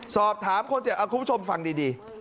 สอบถามคนเจ็บคุณผู้ชมฟังดี